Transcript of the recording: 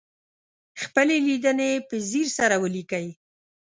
خپلې لیدنې په ځیر سره ولیکئ.